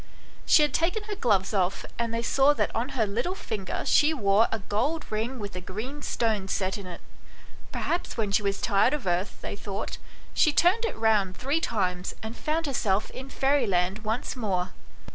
She had taken her gloves off, and they saw that on her little finger she wore a gold ring with a green stone set in it. Perhaps when she was tired of earth, they thought, she turned it round three times and found herself in fairyland once more.